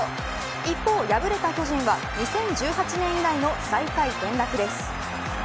一方敗れた巨人は２０１８年以来の再下位転落です。